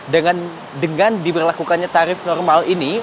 dengan diberlakukannya tarif normal ini